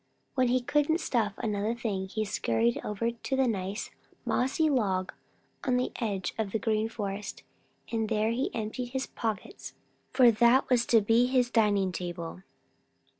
When he couldn't stuff another thing in, he scurried over to the nice, mossy log on the edge of the Green Forest, and there he emptied his pockets, for that was to be his dining table.